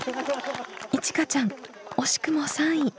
いちかちゃん惜しくも３位。